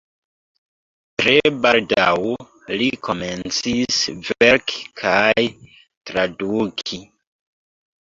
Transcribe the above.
Tre baldaŭ li komencis verki kaj traduki.